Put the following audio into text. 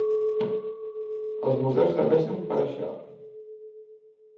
Els museus serveixen per a això!